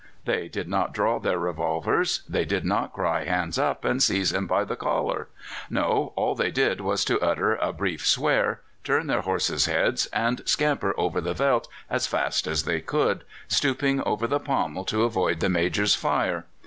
They did not draw their revolvers, they did not cry "Hands up!" and seize him by the collar no, all they did was to utter a brief swear, turn their horses' heads, and scamper over the veldt as fast as they could, stooping over the pommel to avoid the Major's fire.